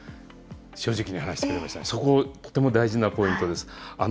正直に話してくれましたね、そこ、とても大事なポイントです。